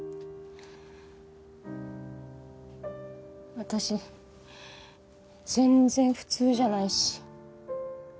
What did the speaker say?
私全然普通じゃないし。